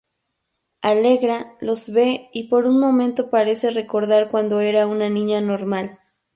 Allegra los ve y por un momento parece recordar cuando era una niña normal.